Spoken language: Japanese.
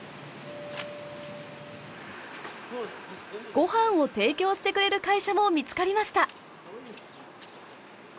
ごはんを提供してくれる会社も見つかりました。